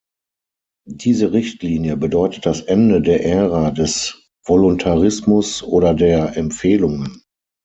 Diese Richtlinie bedeutet das Ende der Ära des Voluntarismus oder der Empfehlungen.